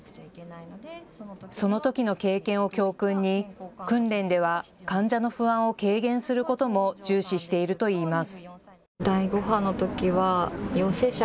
そのときの経験を教訓に訓練では患者の不安を軽減することも重視しているといいます。